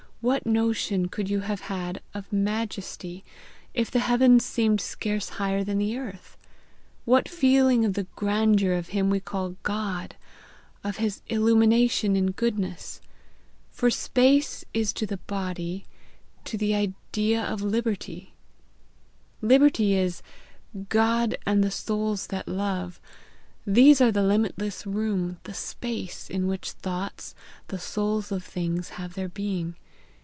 "What notion could you have had of majesty, if the heavens seemed scarce higher than the earth? what feeling of the grandeur of him we call God, of his illimitation in goodness? For space is the body to the idea of liberty. Liberty is God and the souls that love; these are the limitless room, the space, in which thoughts, the souls of things, have their being.